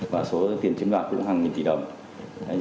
và số tiền chiếm đoạt cũng hàng nghìn tỷ đồng